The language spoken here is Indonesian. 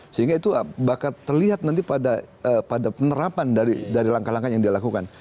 sehingga itu bakal terlihat nanti pada penerapan dari langkah langkah yang dilakukan